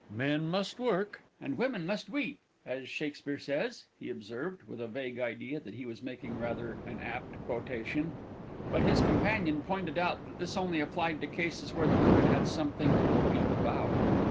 "'Men must work, and women must weep,' as Shakspeare says," he observed, with a vague idea that he was making rather an apt quotation. But his companion pointed out that this only applied to cases where the women had something to weep about.